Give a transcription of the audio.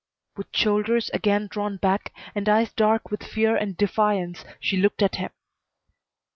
With shoulders again drawn back, and eyes dark with fear and defiance, she looked at him.